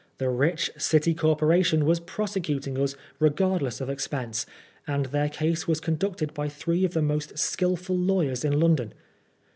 The rich City Corporation was prosecuting us regardless of expense, and their case was conducted by three of the most skilful lawyers in London.